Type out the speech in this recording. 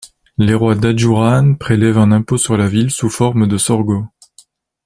Les rois d’Ajuuraan prélèvent un impôt sur la ville sous forme de sorgho.